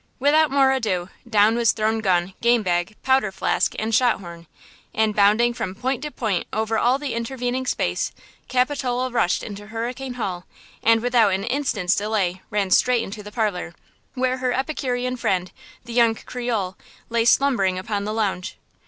Without more ado, down was thrown gun, game bag, powder flask and shot horn, and, bounding from point to point over all the intervening space, Capitola rushed into Hurricane Hall and without an instant's delay ran straight into the parlor, where her epicurean friend, the young Creole, lay slumbering upon the lounge.